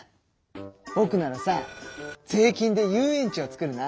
ぼくならさ税金で遊園地を作るな！